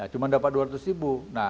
cuma dapat dua ratus ribu